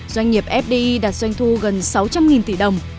doanh nghiệp fdi đạt doanh thu gần sáu triệu usd